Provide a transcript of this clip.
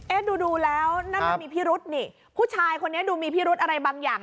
ดูดูแล้วนั่นมันมีพิรุษนี่ผู้ชายคนนี้ดูมีพิรุธอะไรบางอย่าง